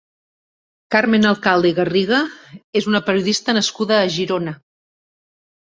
Carmen Alcalde i Garriga és una periodista nascuda a Girona.